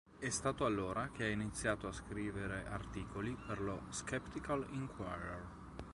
È stato allora che ha iniziato a scrivere articoli per lo "Skeptical Inquirer".